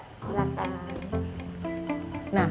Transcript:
kita ngobrol ngobrol di sini aja kali ya kak ya